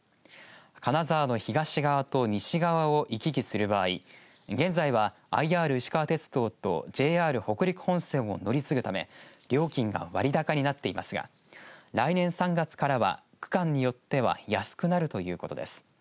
金沢の東側と西側を行き来する場合現在はＩＲいしかわ鉄道とＪＲ北陸本線を乗り継ぐため料金が割高になっていますが来年３月からは区間によっては安くなるということです。